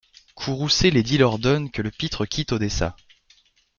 Courroucé l'édile ordonne que le pitre quitte Odessa.